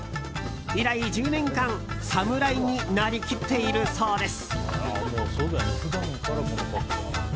以来、１０年間侍になりきっているそうです。